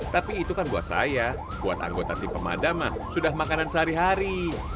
tapi itu kan buat saya buat anggota tim pemadaman sudah makanan sehari hari